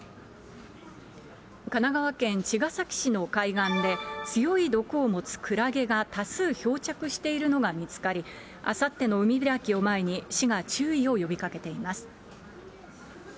神奈川県茅ヶ崎市の海岸で、強い毒を持つクラゲが、多数漂着しているのが見つかり、あさっての海開きを前に、市が注意を呼びかけています。